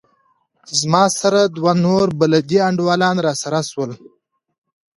له ما سره دوه نور بلدي انډيوالان راسره سول.